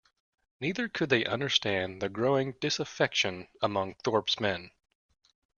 Neither could they understand the growing disaffection among Thorpe's men.